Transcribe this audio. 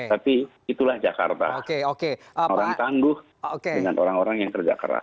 tapi itulah jakarta orang tangguh dengan orang orang yang kerja keras